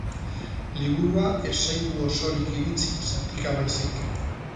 Liburua ez zaigu osorik iritsi, zatika baizik.